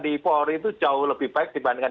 di polri itu jauh lebih baik dibandingkan